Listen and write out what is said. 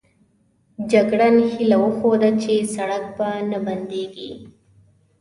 جګړن هیله وښوده چې سړک به نه بندېږي.